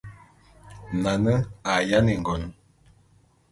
Nane a yáne ngon.